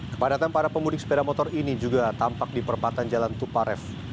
kepadatan para pemudik sepeda motor ini juga tampak di perempatan jalan tuparef